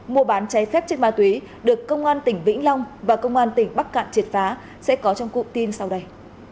mùa bán cháy phép trên ma túy được công an tỉnh vĩnh long và công an tỉnh bắc cạn triệt phá sẽ có trong cụm tin sau đây